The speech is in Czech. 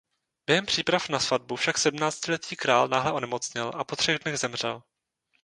Během příprav na svatbu však sedmnáctiletý král náhle onemocněl a po třech dnech zemřel.